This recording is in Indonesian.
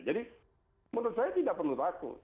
jadi menurut saya tidak penuh takut